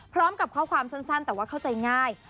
พร้อมกับข้อความสั้นแต่ว่าเข้าใจง่าย